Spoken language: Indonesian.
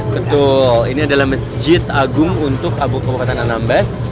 betul ini adalah masjid agung untuk kabupaten anambas